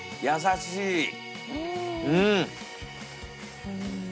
うん！